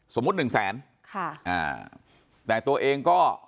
สมมุติหนึ่งแสนแต่ตัวเองก็